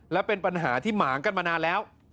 และเป็นปัญหาที่หมางกันมานานแล้ว